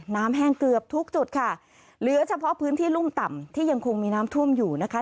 แห้งเกือบทุกจุดค่ะเหลือเฉพาะพื้นที่รุ่มต่ำที่ยังคงมีน้ำท่วมอยู่นะคะ